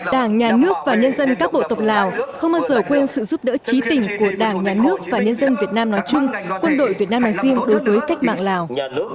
đảng nhà nước và nhân dân các bộ tộc lào không bao giờ quên sự giúp đỡ trí tình của đảng nhà nước và nhân dân việt nam nói chung quân đội việt nam nói riêng đối với cách mạng lào